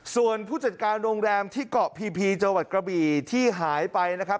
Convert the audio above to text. ส่วนผู้จัดการโรงแรมที่เกาะพีพีจังหวัดกระบี่ที่หายไปนะครับ